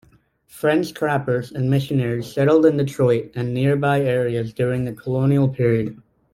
French trappers and missionaries settled in Detroit and nearby areas during the colonial period.